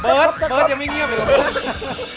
ใครคือผู้แข็งแกร่งอึดถึกทนที่สุดในรายการคะ